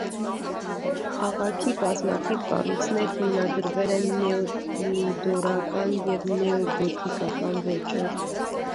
Քաղաքի բազմաթիվ կառույցներ հիմնադրվել են նեոտյուդորական և նեոգոթիկական ոճով։